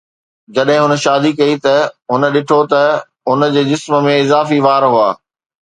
جڏهن هن شادي ڪئي ته هن ڏٺو ته هن جي جسم ۾ اضافي وار هئا